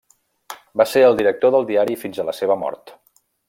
Va ser el director del diari fins a la seva mort.